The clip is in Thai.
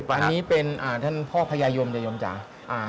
อันนี้เป็นท่านพ่อพญายมยายมจ๋า